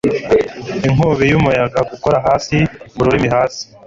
inkubi y'umuyaga gukora hasi ururimi hasi